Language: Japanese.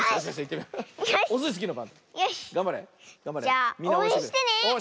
じゃあおうえんしてね！